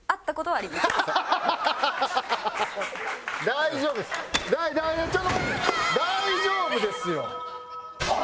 大丈夫ですよ。